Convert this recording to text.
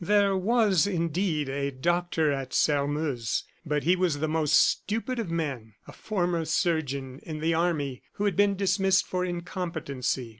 There was, indeed, a doctor at Sairmeuse, but he was the most stupid of men a former surgeon in the army, who had been dismissed for incompetency.